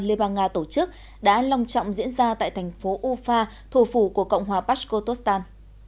liên bang nga tổ chức đã long trọng diễn ra tại thành phố ufa thủ phủ của cộng hòa pashkotostan